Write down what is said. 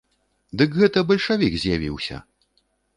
Дык гэта бальшавік з'явіўся!